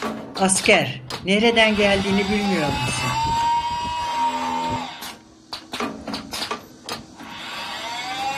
Asker, nereden geldiğini bilmiyor musun?